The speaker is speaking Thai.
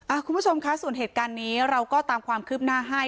คุณผู้ชมคะส่วนเหตุการณ์นี้เราก็ตามความคืบหน้าให้